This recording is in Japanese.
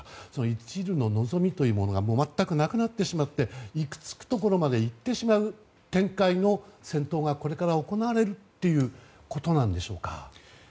いちるの望みというものが全くなくなってしまって行きつくところまで行ってしまう展開の戦闘がこれから行われるということなんでしょうか。